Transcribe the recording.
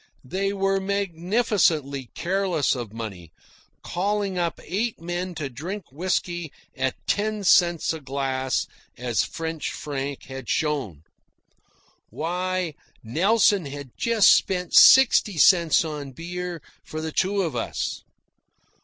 They were magnificently careless of money, calling up eight men to drink whisky at ten cents a glass, as French Frank had done. Why, Nelson had just spent sixty cents on beer for the two of us.